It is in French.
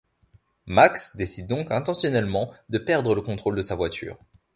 Max décide donc intentionnellement de perdre le contrôle de sa voiture.